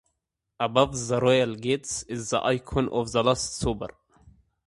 Above the royal gates is the icon of the Last Supper.